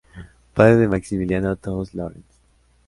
Padre de Maximiliano Thous Llorens.